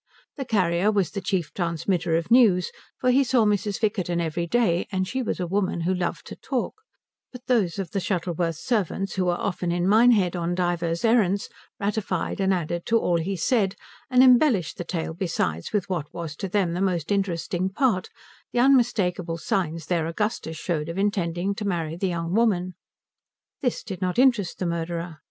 The carrier was the chief transmitter of news, for he saw Mrs. Vickerton every day and she was a woman who loved to talk; but those of the Shuttleworth servants who were often in Minehead on divers errands ratified and added to all he said, and embellished the tale besides with what was to them the most interesting part, the unmistakable signs their Augustus showed of intending to marry the young woman. This did not interest the murderer.